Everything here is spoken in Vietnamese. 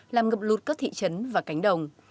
làm ngập lụt các thị trấn và cánh đồng